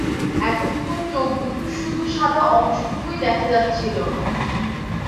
এতক্ষণ চোখদুটোর শুধু সাদা অংশটুকুই দেখা যাচ্ছিল।